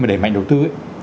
để mạnh đầu tư